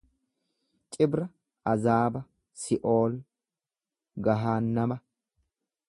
Cibra azaaba, si'ool, gahaannama.